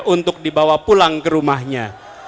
untuk dibawa pulang ke rumahnya